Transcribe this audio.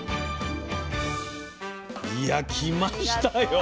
いや来ましたよ